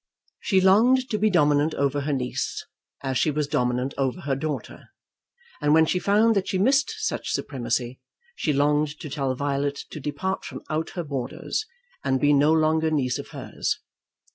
She longed to be dominant over her niece as she was dominant over her daughter; and when she found that she missed such supremacy, she longed to tell Violet to depart from out her borders, and be no longer niece of hers.